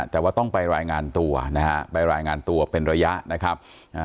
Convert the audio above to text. แต่ว่าต้องไปรายงานตัวนะฮะไปรายงานตัวเป็นระยะนะครับอ่า